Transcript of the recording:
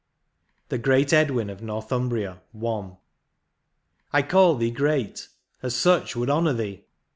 THE GREAT EDWIN OF NORTHUMBRIA. — I, I CALL thee great — as such, would honour thee.